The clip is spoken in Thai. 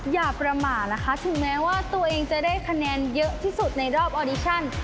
อย่าประมาทนะคะถึงแม้ว่าตัวเองจะได้คะแนนเยอะที่สุดในรอบออดิชั่น